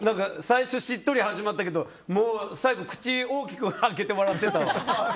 最初、しっとり始まったけどもう最後口大きく開けて笑ってたわ。